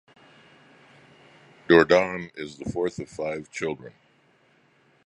Dourdan is the fourth of five children.